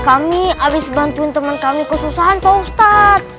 kami habis bantuin teman kami kesusahan pak ustadz